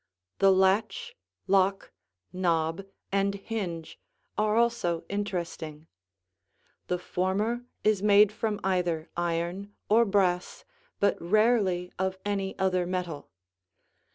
The latch, lock, knob, and hinge are also interesting. The former is made from either iron or brass but rarely of any other metal.